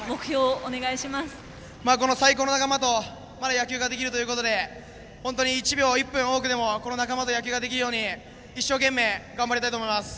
この最高の仲間とまだ野球ができるということで本当に１秒１分多くこの仲間と野球ができるように一生懸命、頑張りたいと思います。